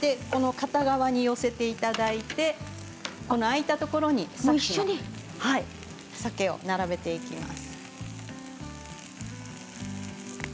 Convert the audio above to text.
片側に寄せていただいて空いたところにさけを並べていきます。